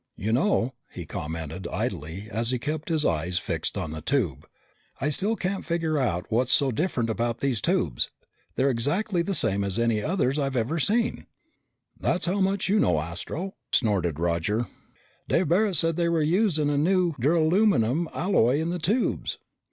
"You know," he commented idly as he kept his eyes fixed on the tube, "I still can't figure out what's so different about these tubes. They're exactly the same as any others I've ever seen." "That's how much you know, Astro," snorted Roger. "Dave Barret said they were using a new duralumin alloy in the tubes."